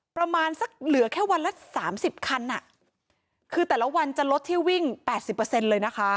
ประมาณสักเหลือแค่วันละสามสิบคันอ่ะคือแต่ละวันจะลดเที่ยววิ่งแปดสิบเปอร์เซ็นต์เลยนะคะ